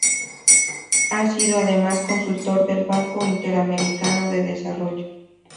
Ha sido además, consultor del Banco Interamericano de Desarrollo.